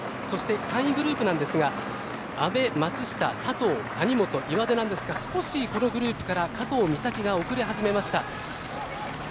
そして、３位グループなんですが阿部、松下佐藤、谷本、岩出なんですが少しこのグループから加藤岬が遅れ始めました。